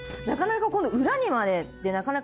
なかなか裏にまでって。